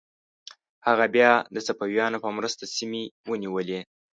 هغه بیا د صفویانو په مرسته سیمې ونیولې.